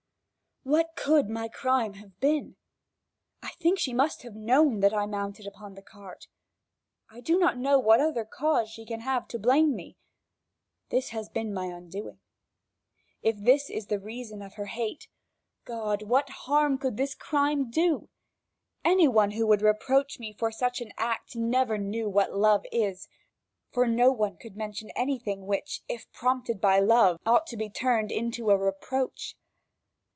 God! what could my crime have been? I think she must have known that I mounted upon the cart. I do not know what other cause she can have to blame me. This has been my undoing. If this is the reason of her hate, God! what harm could this crime do? Any one who would reproach me for such an act never knew what love is, for no one could mention anything which, if prompted by love, ought to be turned into a reproach.